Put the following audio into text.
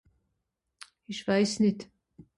isch weiss nìt